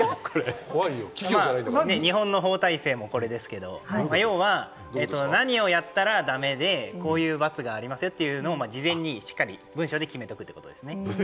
日本の法体制もこれですけれども、要は何をやったら駄目で、こういう罰がありますというのを事前にしっかり文書で決めていくということですね。